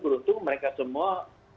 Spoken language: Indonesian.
beruntung mereka semua